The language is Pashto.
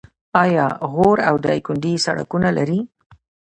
آیا غور او دایکنډي سړکونه لري؟